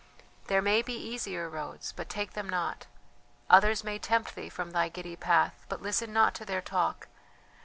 "There may be easier roads, but take them not; others may tempt thee from thy giddy path, but listen not to their talk.